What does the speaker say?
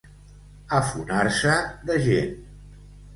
Afonar-se de gent.